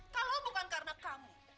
kalau bukan karena kamu